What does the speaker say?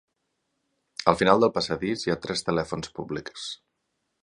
Al final del passadís hi ha tres telèfons públics.